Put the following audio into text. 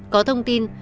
có thông tin